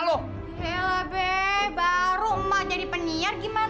ku ingin bersama dengan